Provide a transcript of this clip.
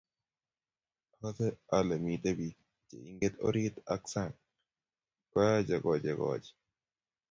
Akase ale mitei bik che ingen orit ak sang ko ache kochekoche